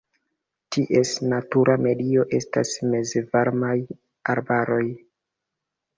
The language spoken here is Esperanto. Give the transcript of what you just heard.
Ties natura medio estas mezvarmaj arbaroj.